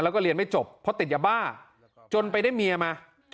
แล้วก็เรียนไม่จบเพราะติดยาบ้าจนไปได้เมียมา